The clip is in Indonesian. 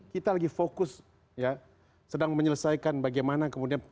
kita lagi fokus ya sedang menyelesaikan bagaimana kemudian